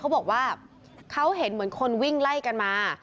เขาบอกว่าเขาเห็นเหมือนคนวิ่งไล่กันมา